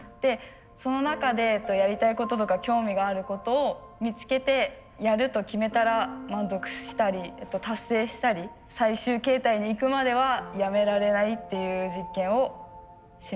その中でやりたいこととか興味があることを見つけてやると決めたら満足したり達成したり最終形態にいくまではやめられないっていう実験をします。